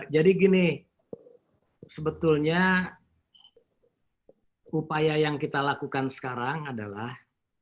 jadi gini sebetulnya upaya yang kita lakukan sekarang adalah